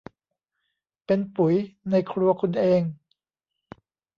เป็นปุ๋ย ในครัวคุณเอง